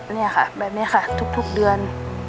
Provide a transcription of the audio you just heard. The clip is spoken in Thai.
นี่ค่ะแบบนี้ค่ะทุกเดือน